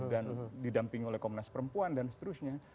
dan didampingi oleh komnas perempuan dan seterusnya